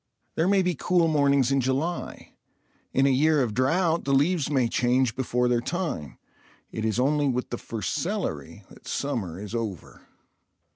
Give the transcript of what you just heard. There may be cool mornings in July; in a year of drought the leaves may change before their time; it is only with the first celery that summer is over.